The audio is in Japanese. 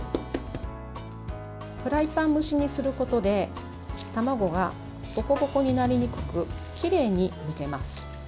フライパン蒸しにすることで卵がボコボコになりにくくきれいにむけます。